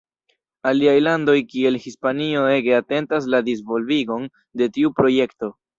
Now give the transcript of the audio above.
Aliaj landoj kiel Hispanio ege atentas la disvolvigon de tiu projekto.